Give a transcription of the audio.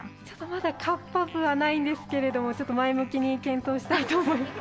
まだカッパ部はないんですけれども前向きに検討したいと思います